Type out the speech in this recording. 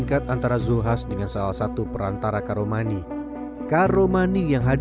bahkan kalau tidak salah waktu itu ada sembang sembang